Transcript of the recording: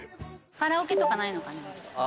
カラオケとかないのかな？